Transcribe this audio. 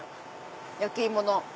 焼き芋の。